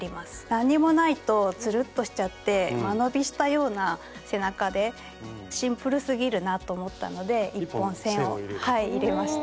何にもないとツルッとしちゃって間延びしたような背中でシンプルすぎるなと思ったので１本線を入れました。